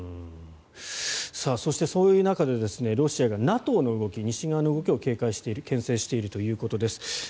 そして、そういう中でロシアがＮＡＴＯの動き西側の動きを警戒しているけん制しているということです。